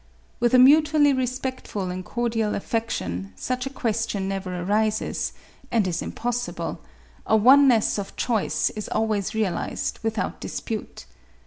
With a mutually respectful and cordial affection, such a question never arises, and is impossible ; a oneness of choice is always realized, without dispute.